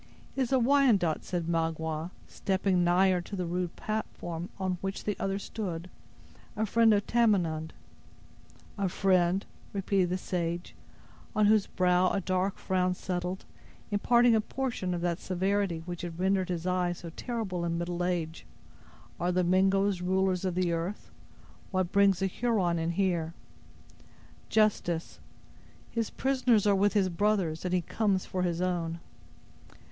"It is a Wyandot," said Magua, stepping nigher to the rude platform on which the other stood; "a friend of Tamenund." "A friend!" repeated the sage, on whose brow a dark frown settled, imparting a portion of that severity which had rendered his eye so terrible in middle age. "Are the Mingoes rulers of the earth? What brings a Huron in here?" "Justice. His prisoners are with his brothers, and he comes for his own."